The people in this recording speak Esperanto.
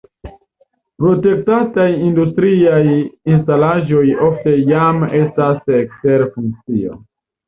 Protektataj industriaj instalaĵoj ofte jam estas ekster funkcio.